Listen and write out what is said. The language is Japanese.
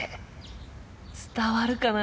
伝わるかな？